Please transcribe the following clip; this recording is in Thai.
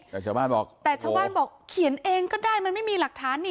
แต่เช้าบ้านบอกเขียนเองก็ได้มันไม่มีหลักฐานนี่